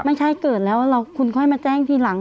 ไม่ใช่เกิดแล้วคุณค่อยมาแจ้งทีหลัง